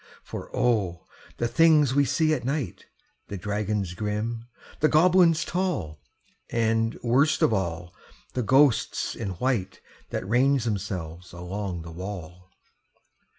For O! the things we see at night The dragons grim, the goblins tall, And, worst of all, the ghosts in white That range themselves along the wall!